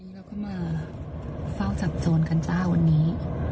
เราก็มาเฝ้าจับโจรกันจ้าวันนี้